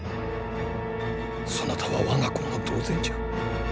そなたは我が子も同然じゃ。